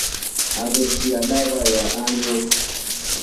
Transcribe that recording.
Afishia dava ya anywa.